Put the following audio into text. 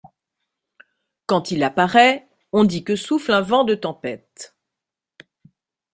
Quand il apparaît, on dit que souffle un vent de tempête.